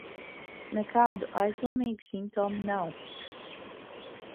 Nekādu aizdomīgu simptomu nav.